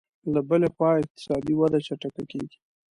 له بلې خوا اقتصادي وده چټکه کېږي